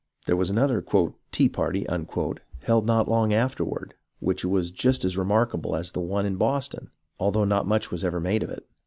There was another "Tea Party" held not long after ward, which was just as remarkable as the one in Boston, although not much was ever made of it.